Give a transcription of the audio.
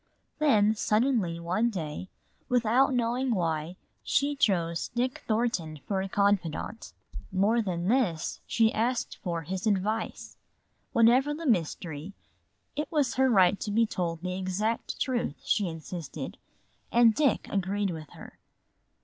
Then suddenly one day, without knowing why, she chose Dick Thornton for a confidant. More than this, she asked for his advice. Whatever the mystery, it was her right to be told the exact truth, she insisted, and Dick agreed with her.